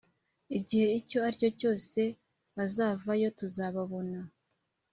igihe icyo aricyo cyose bazavayo tuzababona